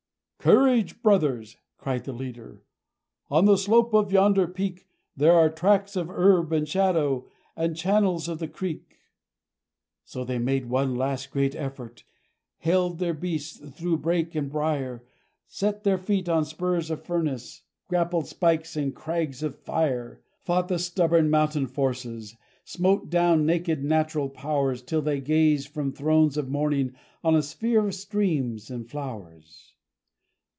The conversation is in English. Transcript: "Courage, brothers!" cried the leader. "On the slope of yonder peak There are tracts of herb and shadow, and the channels of the creek!" So they made one last great effort haled their beasts through brake and briar, Set their feet on spurs of furnace, grappled spikes and crags of fire, Fought the stubborn mountain forces, smote down naked, natural powers, Till they gazed from thrones of Morning on a sphere of streams and flowers.